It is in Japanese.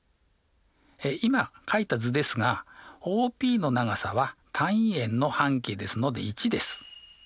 今かいた図ですがＯＰの長さは単位円の半径ですので１です。